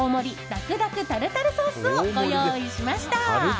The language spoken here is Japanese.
だくだくタルタルソースをご用意しました。